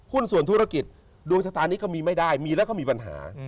ส่วนธุรกิจดวงชะตานี้ก็มีไม่ได้มีแล้วก็มีปัญหา